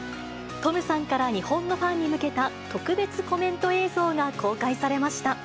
トムさんから日本のファンに向けた特別コメント映像が公開されました。